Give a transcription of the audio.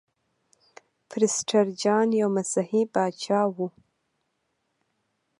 پرسټر جان یو مسیحي پاچا و.